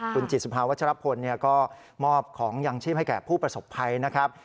คุณจิตสุภาวัชรพลก็มอบของยังชีพให้แก่ผู้ประสบภัยนะครับ